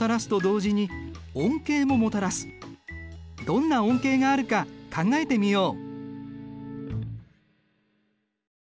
どんな恩恵があるか考えてみよう。